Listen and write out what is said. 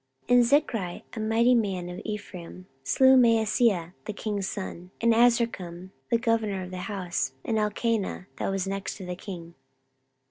14:028:007 And Zichri, a mighty man of Ephraim, slew Maaseiah the king's son, and Azrikam the governor of the house, and Elkanah that was next to the king.